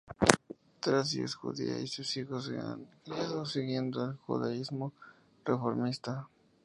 Tracy es judía y sus hijos se han criado siguiendo el judaísmo reformista.